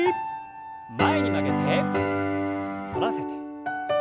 前に曲げて反らせて。